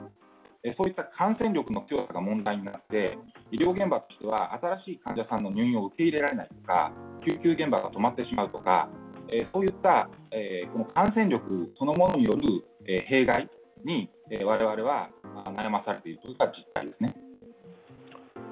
そういった感染力の強さが問題になって、医療現場としては新しい患者さんの入院を受け入れられないとか救急現場が止まってしまうとかそういった感染力そのものによる弊害に我々は悩まされていることが実態ですね。